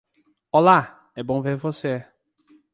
Olá! É bom ver você!